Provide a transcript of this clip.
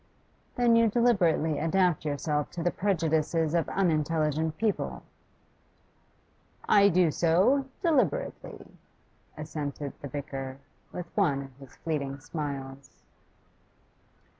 'Then you deliberately adapt yourself to the prejudices of unintelligent people?' 'I do so, deliberately,' assented the vicar, with one of his fleeting smiles.